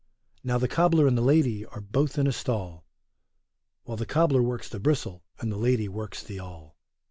Now the cobler and the lady are both in a stall, While the cobler works the bristle, and the lady works the awl.